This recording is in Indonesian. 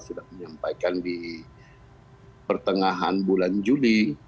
sudah menyampaikan di pertengahan bulan juli